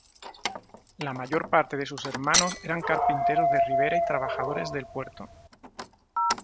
La mayor parte de sus hermanos eran carpinteros de ribera y trabajadores del puerto.